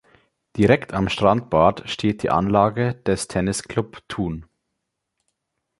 Direkt am Strandbad steht die Anlage des Tennisclub Thun.